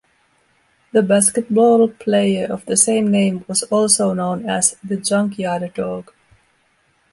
The basketball player of the same name was also known as "The Junkyard Dog"